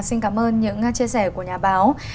xin cảm ơn những chia sẻ của nhà báo